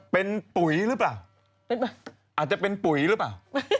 เป็นปุ๋ยหรือเปล่าอาจจะเป็นปุ๋ยหรือเปล่า